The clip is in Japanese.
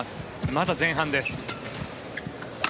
まだ前半です。